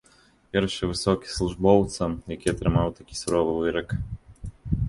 Першы высокі службоўца, які атрымаў такі суровы вырак.